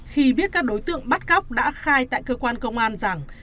khi biết các đối tượng bắt cóc đã khai tại cơ quan công an rằng